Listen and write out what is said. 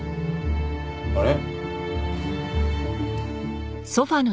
あれ？